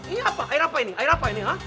ini air apa ini